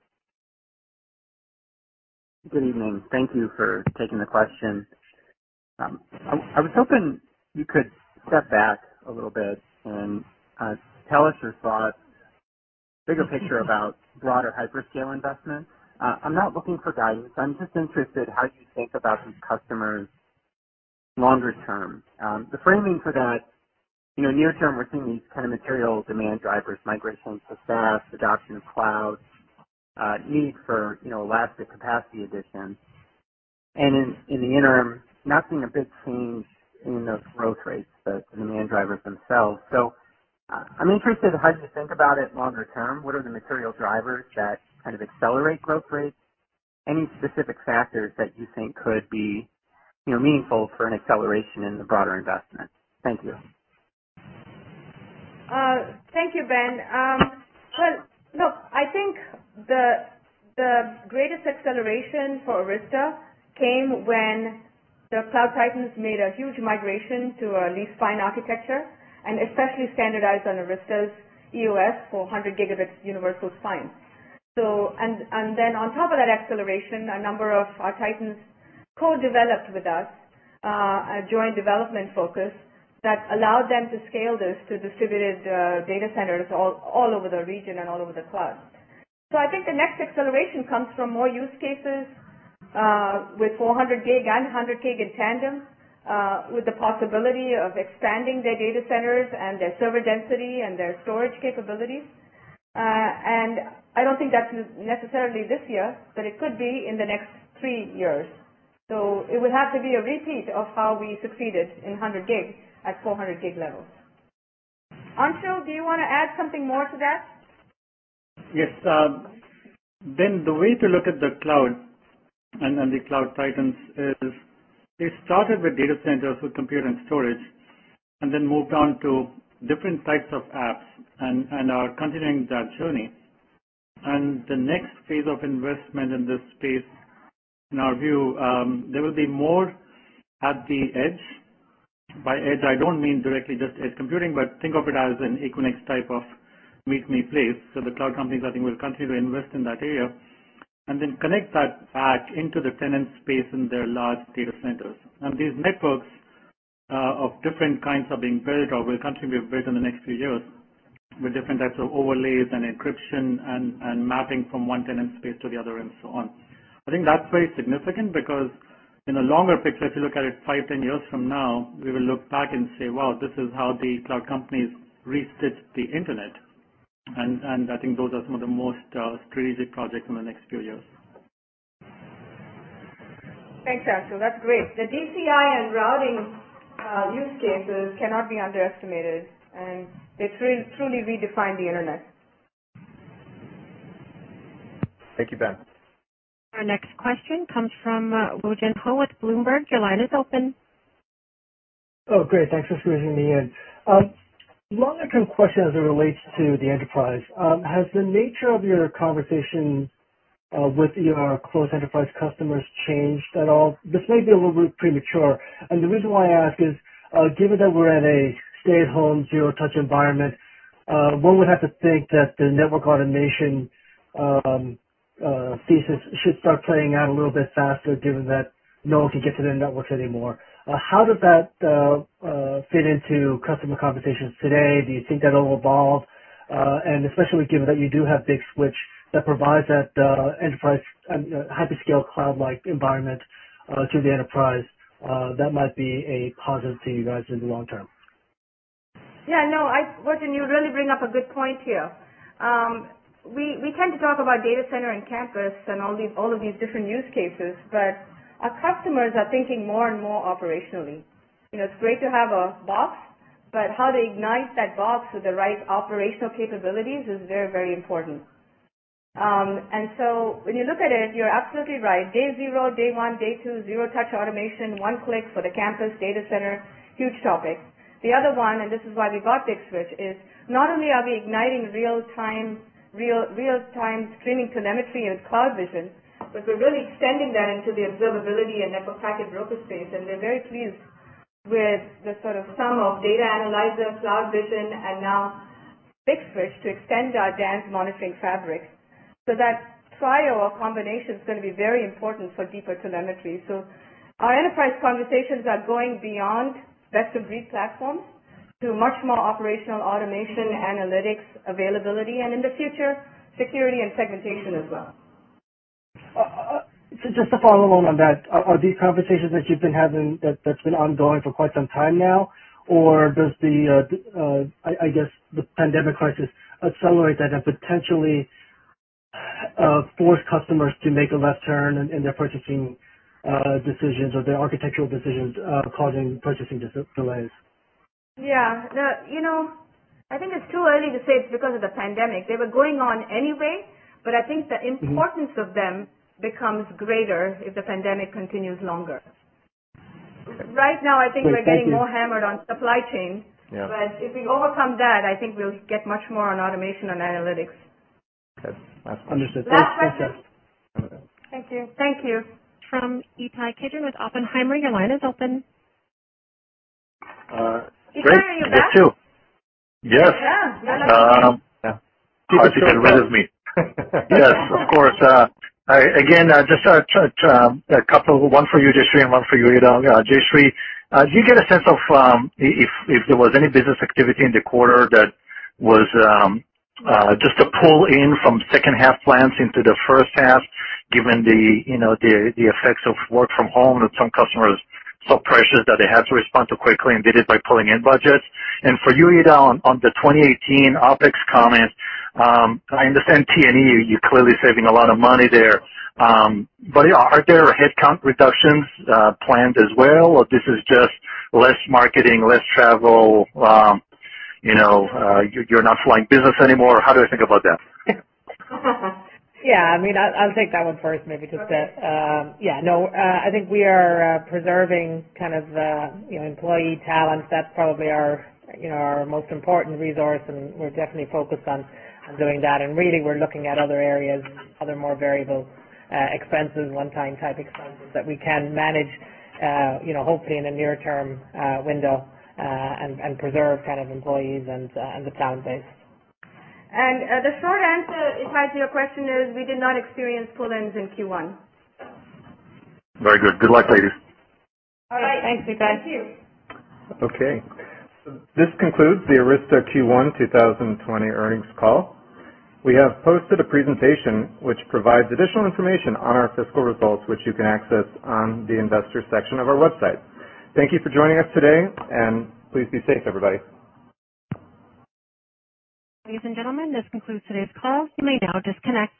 Good evening. Thank you for taking the question. I was hoping you could step back a little bit and tell us your thoughts, bigger picture about broader hyperscale investment. I'm not looking for guidance. I'm just interested how you think about these customers longer term. The framing for that, near term, we're seeing these material demand drivers, migration to SaaS, adoption of cloud, need for elastic capacity additions. In the interim, not seeing a big change in those growth rates, the demand drivers themselves. I'm interested, how do you think about it longer term? What are the material drivers that accelerate growth rates? Any specific factors that you think could be meaningful for an acceleration in the broader investment? Thank you. Thank you, Ben. Look, I think the greatest acceleration for Arista came when the Cloud Titans made a huge migration to a leaf-spine architecture, and especially standardized on Arista's EOS for 100G universal spines. On top of that acceleration, a number of our Cloud Titans co-developed with us, a joint development focus that allowed them to scale this to distributed data centers all over the region and all over the cloud. I think the next acceleration comes from more use cases with 400G and 100G in tandem, with the possibility of expanding their data centers and their server density and their storage capabilities. I don't think that's necessarily this year, but it could be in the next three years. It would have to be a repeat of how we succeeded in 100G at 400G levels. Anshul, do you want to add something more to that? Yes. The way to look at the cloud and the cloud titans is they started with data centers with compute and storage, and then moved on to different types of apps and are continuing that journey. The next phase of investment in this space, in our view, there will be more at the edge. By edge, I don't mean directly just edge computing, but think of it as an Equinix type of meet me place. The cloud companies, I think, will continue to invest in that area and then connect that back into the tenant space in their large data centers. These networks of different kinds are being built or will continue to be built in the next few years with different types of overlays and encryption and mapping from one tenant space to the other and so on. I think that's very significant because in the longer picture, if you look at it five, 10 years from now, we will look back and say, "Wow, this is how the cloud companies restitch the internet." I think those are some of the most strategic projects in the next few years. Thanks, Anshul. That's great. The DCI and routing use cases cannot be underestimated, and it truly redefined the internet. Thank you. Ben. Our next question comes from Woo Jin Ho with Bloomberg. Your line is open. Great. Thanks for bringing me in. Longer term question as it relates to the enterprise. Has the nature of your conversation with your close enterprise customers changed at all? This may be a little bit premature, the reason why I ask is, given that we're in a stay-at-home zero-touch environment, one would have to think that the network automation thesis should start playing out a little bit faster given that no one can get to their networks anymore. How does that fit into customer conversations today? Do you think that'll evolve? Especially given that you do have Big Switch Networks that provides that enterprise and hyperscale cloud-like environment to the enterprise, that might be a positive to you guys in the long term. Yeah, no. Woo-jin, you really bring up a good point here. We tend to talk about data center and campus and all of these different use cases, but our customers are thinking more and more operationally. It's great to have a box, but how they ignite that box with the right operational capabilities is very important. When you look at it, you're absolutely right. Day zero, day one, day two, zero touch automation, one click for the campus data center, huge topic. The other one, and this is why we got Big Switch, is not only are we igniting real-time streaming telemetry with CloudVision, but we're really extending that into the observability and network packet broker space. We're very pleased with the sort of sum of Data ANalyZer, CloudVision, and now Big Switch to extend our DANZ Monitoring Fabric. That trial or combination is going to be very important for deeper telemetry. Our enterprise conversations are going beyond best-of-breed platforms to much more operational automation, analytics, availability, and in the future, security and segmentation as well. Just to follow along on that, are these conversations that you've been having that's been ongoing for quite some time now? Or does the, I guess the pandemic crisis accelerate that and potentially force customers to make a left turn in their purchasing decisions or their architectural decisions causing purchasing delays? I think it's too early to say it's because of the pandemic. They were going on anyway, but I think the importance of them becomes greater if the pandemic continues longer. Okay. Right now, I think we're getting more hammered on supply chain. Yeah. If we overcome that, I think we'll get much more on automation and analytics. Okay. Understood. Last question. Thank you. Thank you. From Ittai Kidron with Oppenheimer, your line is open. Ittai, are you back? Great. It's you. Yeah. No, no. Hard to get rid of me. Yes, of course. Again, just a couple, one for you, Jayshree, and one for you, Ita. Jayshree, do you get a sense of if there was any business activity in the quarter that was just a pull-in from second half plans into the first half given the effects of work from home that some customers saw pressures that they had to respond to quickly and did it by pulling in budgets? For you, Ita, on the 2018 OpEx comment, I understand T&E, you're clearly saving a lot of money there. Are there headcount reductions planned as well, or this is just less marketing, less travel, you're not flying business anymore? How do I think about that? Yeah. I'll take that one first, maybe just to. Yeah, no, I think we are preserving employee talent. That's probably our most important resource, and we're definitely focused on doing that. Really, we're looking at other areas, other more variable expenses, one-time type expenses that we can manage hopefully in the near term window and preserve employees and the talent base. The short answer, Ittai, to your question is, we did not experience pull-ins in Q1. Very good. Good luck, ladies. All right. Thanks Ittai. Thank you. Okay. This concludes the Arista Q1 2020 earnings call. We have posted a presentation which provides additional information on our fiscal results, which you can access on the investor section of our website. Thank you for joining us today, and please be safe, everybody. Ladies and gentlemen, this concludes today's call. You may now disconnect.